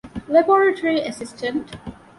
ލެބޯރެޓަރީ އެސިސްޓަންޓް